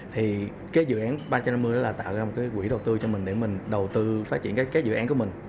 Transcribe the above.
thì cái dự án ba trăm năm mươi đó là tạo ra một cái quỹ đầu tư cho mình để mình đầu tư phát triển các dự án của mình